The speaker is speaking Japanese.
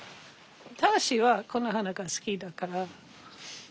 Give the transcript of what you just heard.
正はこの花が好きだから。